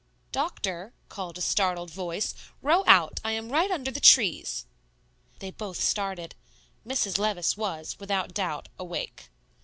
"Doctor," called a startled voice, "row out; I am right under the trees." They both started. Mrs. Levice was, without doubt, awake.